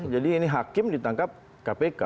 ini hakim ditangkap kpk